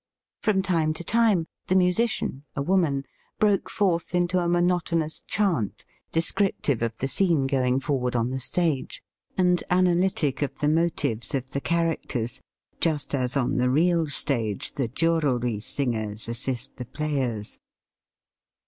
From time to time the musician, a woman, broke forth into a mono tonous chant descriptive of the scene going Digitized by VjOOQIC 12 EAST BY WEST. forward on the stage, and analytic of the motives of the characters ; just as on the real stage the Joruri singers assist the players.